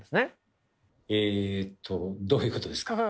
えとどういうことですか？